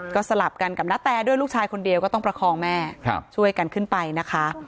ก็สลับกันกับณแตด้วยลูกชายคนเดียวก็ต้องประคองแม่ช่วยกันขึ้นไปนะคะ